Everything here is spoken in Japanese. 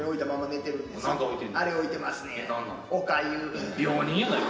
おかゆ。